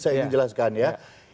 saya ingin jelaskan ya